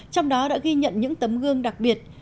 trong đó đã ghi nhận những tấm gương đặc biệt